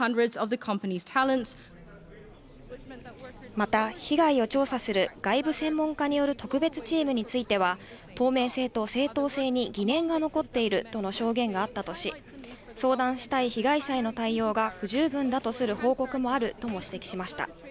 また、被害を調査する外部専門家による特別チームについては、透明性と正当性に疑念が残っているとの証言があったとし、相談したい被害者への対応が不十分だとする報告もあるとも指摘しました。